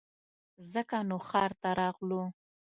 ځکه نو ښار ته راغلو